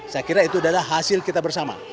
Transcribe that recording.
saya kira itu adalah hasil kita bersama